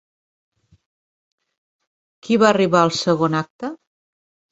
Qui va arribar al segon acte?